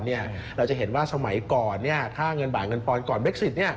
เราจะเห็นว่าสมัยก่อนค่าเงินบาทเงินปอนดก่อนเบคซิต